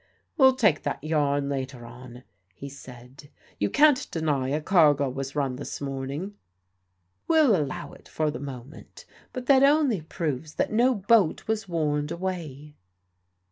"We'll take that yarn later on," he said. "You can't deny a cargo was run this morning." "We'll allow it for the moment. But that only proves that no boat was warned away."